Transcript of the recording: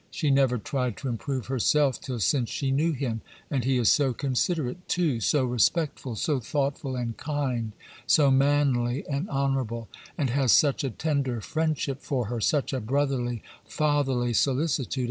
She never tried to improve herself till since she knew him: and he is so considerate too; so respectful; so thoughtful and kind; so manly and honourable; and has such a tender friendship for her; such a brotherly, fatherly solicitude.